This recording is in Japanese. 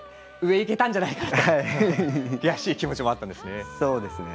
上に行けたんじゃないかという悔しい気持ちもあったんですね。